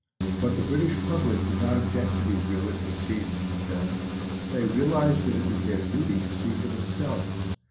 But the British public did not object to these realistic scenes in the film. They realised that it was their duty to see for themselves.